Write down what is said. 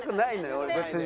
俺別に。